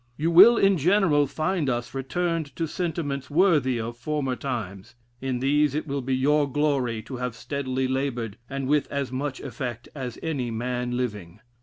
You will in general find us returned to sentiments worthy of former times; in these it will be your glory to have steadily labored, and with as much effect as any man living.